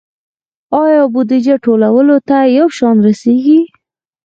آیا بودیجه ټولو ته یو شان رسیږي؟